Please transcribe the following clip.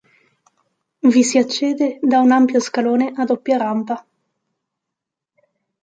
Vi si accede da un ampio scalone a doppia rampa.